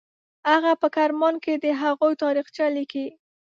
هغه په کرمان کې د هغوی تاریخچه لیکي.